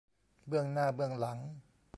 เบื้องหน้าเบื้องหลัง